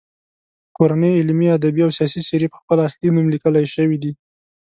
کورنۍ علمي، ادبي او سیاسي څیرې په خپل اصلي نوم لیکل شوي دي.